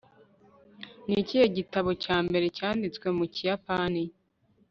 ni ikihe gitabo cya mbere cyanditswe mu kiyapani